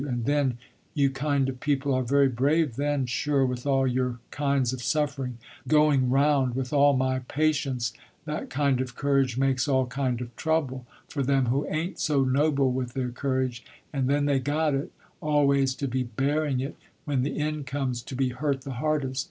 And then, you kind of people are very brave then, sure, with all your kinds of suffering, but the way I see it, going round with all my patients, that kind of courage makes all kind of trouble, for them who ain't so noble with their courage, and then they got it, always to be bearing it, when the end comes, to be hurt the hardest.